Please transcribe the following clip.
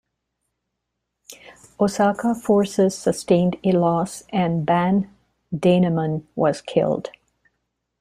Osaka forces sustained a loss and Ban Danemon was killed.